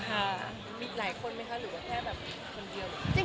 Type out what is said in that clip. หรือว่าแค่แบบคนเดียว